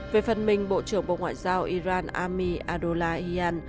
về phần mình bộ trưởng bộ ngoại giao iran ami adolahian